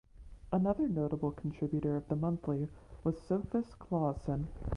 Another notable contributor of the monthly was Sophus Claussen.